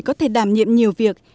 có thể đảm nhiệm nhiều việc